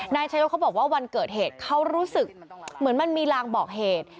นายชายศเขาบอกว่าวันเกิดเหตุเขารู้สึกเหมือนมันมีลางบอกเหตุ